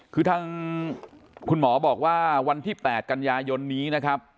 คือทางคุณหมอบอกว่าวันที่๘กันยายนนี้นะครับ